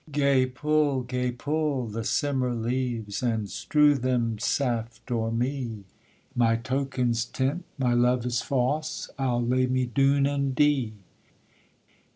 'Gae pull, gae pull the simmer leaves, And strew them saft o'er me; My token's tint, my love is fause, I'll lay me doon and dee.'